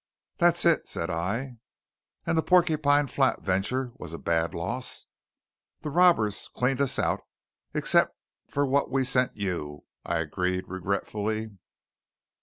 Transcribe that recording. "That's it," said I. "And the Porcupine Flat venture was a bad loss?" "The robbers cleaned us out there except for what we sent you," I agreed regretfully.